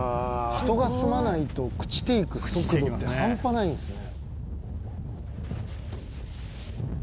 「人が住まないと朽ちていく速度って半端ないんですね」